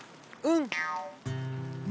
うん。